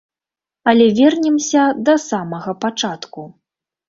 Але вернемся да самага пачатку.